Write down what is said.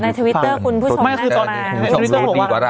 ในทวิตเตอร์คุณผู้ชมได้มา